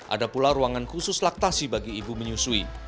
ada pula ruangan khusus laktasi bagi ibu menyusui